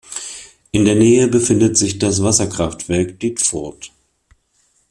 In der Nähe befindet sich das Wasserkraftwerk Dietfurt.